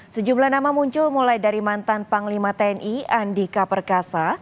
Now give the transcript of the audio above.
sejumlah nama muncul mulai dari mantan panglima tni andika perkasa